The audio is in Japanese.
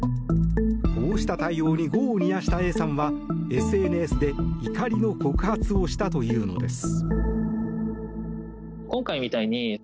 こうした対応に業を煮やしたＡさんはＳＮＳで怒りの告発をしたというのです。